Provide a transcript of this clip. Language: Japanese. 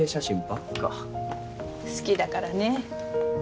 好きだからねぇ。